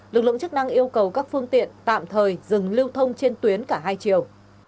lực lượng chức năng yêu cầu các phương tiện tạm thời dừng lưu thông trên tuyến cả hai chiều